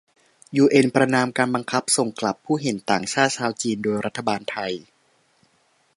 ยูเอ็นประณามการบังคับส่งกลับผู้เห็นต่างชาวจีนโดยรัฐบาลไทย